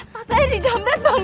tak saya di jambret bang